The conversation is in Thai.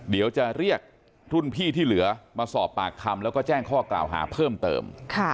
เดี๋ยวจะเรียกรุ่นพี่ที่เหลือมาสอบปากคำแล้วก็แจ้งข้อกล่าวหาเพิ่มเติม